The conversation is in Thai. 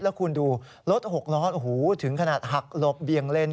แล้วคุณดูรถ๖ล้อถึงขนาดหักหลบเบี่ยงเลน